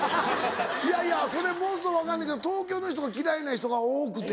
いやいやそれものすごい分かんねんけど東京の人が嫌いな人が多くて。